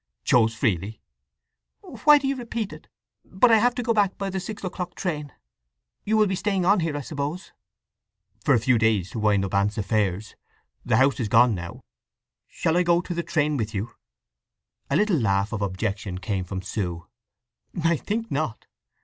"'Chose freely!'" "Why do you repeat it? … But I have to go back by the six o'clock train. You will be staying on here, I suppose?" "For a few days to wind up Aunt's affairs. This house is gone now. Shall I go to the train with you?" A little laugh of objection came from Sue. "I think not.